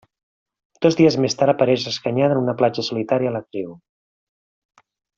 Dos dies més tard apareix escanyada en una platja solitària l'actriu.